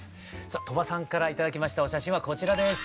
さあ鳥羽さんから頂きましたお写真はこちらです。